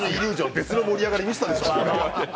別の盛り上がり見せたでしょう？